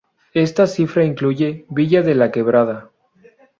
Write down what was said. Esta cifra incluye "Villa de la Quebrada".